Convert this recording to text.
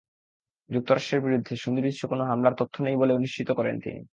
যুক্তরাষ্ট্রের বিরুদ্ধে সুনির্দিষ্ট কোনো হামলার তথ্য নেই বলেও নিশ্চিত করেন তিনি।